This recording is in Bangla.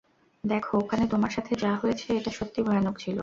দেখো, ওখানে তোমার সাথে যা হয়েছে, এটা সত্যি ভয়ানক ছিল।